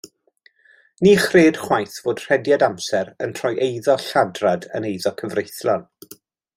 Ni chred chwaith fod rhediad amser yn troi eiddo lladrad yn eiddo cyfreithlon.